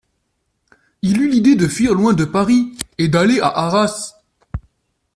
Il eut l'idée de fuir loin de Paris et d'aller à Arras.